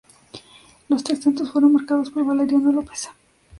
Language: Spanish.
Los tres tantos fueron marcados por Valeriano López.